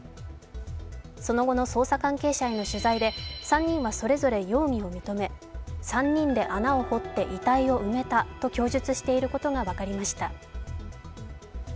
その後の捜査関係者への取材で３人はそれぞれ容疑を認め３人で穴を掘って遺体を埋めたと供述していることが分かりました。